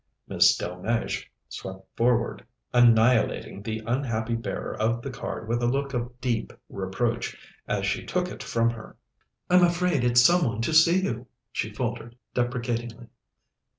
Miss Delmege swept forward, annihilating the unhappy bearer of the card with a look of deep reproach, as she took it from her. "I'm afraid it's some one to see you," she faltered deprecatingly.